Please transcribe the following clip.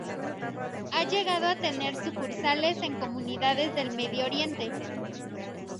Ha llegado a tener sucursales en comunidades del Medio Oriente.